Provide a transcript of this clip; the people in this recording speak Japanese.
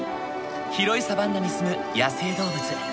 広いサバンナに住む野生動物。